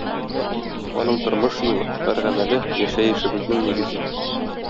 Аның тормыш юлы, һәр гамәле - яшәешебезнең нигезе.